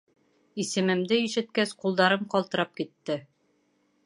— Исемемде ишеткәс, ҡулдарым ҡалтырап китте.